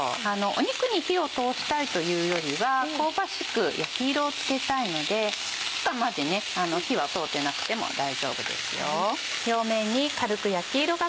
肉に火を通したいというよりは香ばしく焼き色をつけたいので中まで火は通ってなくても大丈夫です。